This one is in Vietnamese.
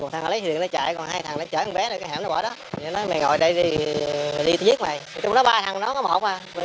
trong đó ba thằng đó có một à lúc đó cũng vắng đó năm giờ mấy